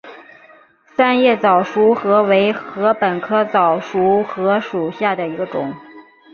三叶早熟禾为禾本科早熟禾属下的一个种。